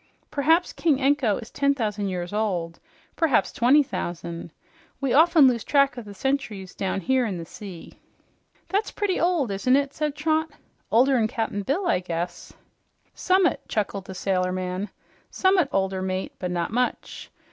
Perhaps King Anko is ten thousand years old, perhaps twenty thousand. We often lose track of the centuries down here in the sea." "That's pretty old, isn't it?" said Trot. "Older than Cap'n Bill, I guess." "Summat," chuckled the sailor man, "summat older, mate, but not much.